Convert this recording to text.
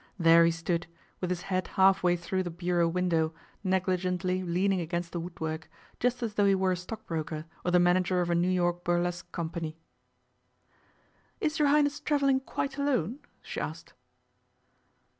There he stood, with his head half way through the bureau window, negligently leaning against the woodwork, just as though he were a stockbroker or the manager of a New York burlesque company. 'Is your Highness travelling quite alone?' she asked.